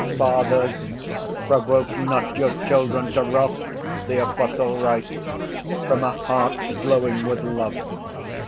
" 'Fathers, provoke not your children to wrath,' the apostle writes, from a heart glowing with love.